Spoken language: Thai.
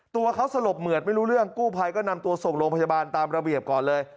ตัวเขาสลบเหมือดไม่รู้เรื่องกู้ภัยก็นำตัวส่งโรงพยาบาลตามระเบียบก่อนเลย